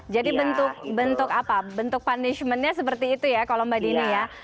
jadi bentuk punishment nya seperti itu ya kalau mbak dini ya